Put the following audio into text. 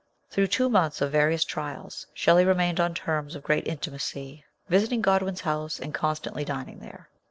Through two months of various trials Shelley remained on terms of great intimacy, visiting Godwin's house and constantly dining there.